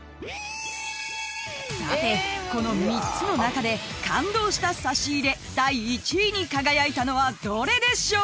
［さてこの３つの中で感動した差し入れ第１位に輝いたのはどれでしょう？］